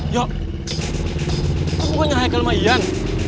yo kok pokoknya haikal mah iyan